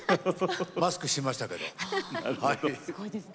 マスクしていましたけれどもね。